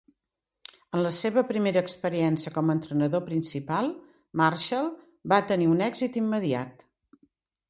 En la seva primera experiència com a entrenador principal, Marshall va tenir un èxit immediat.